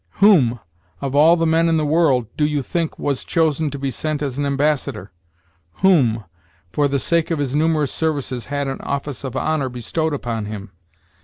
'Whom, of all the men in the world, do you think, was chosen to be sent as an ambassador?' 'Whom, for the sake of his numerous services, had an office of honor bestowed upon him.'